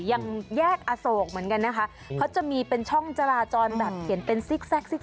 ยังแยกอโศกเหมือนกันนะคะเขาจะมีเป็นช่องจราจรแบบเขียนเป็นซิกแซกซิก